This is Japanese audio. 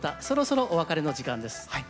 そろそろお別れの時間です。